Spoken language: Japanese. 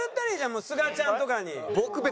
もうすがちゃんとかに。